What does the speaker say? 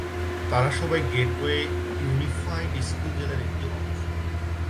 তারা সবাই gateway unified school জেলার একটি অংশ।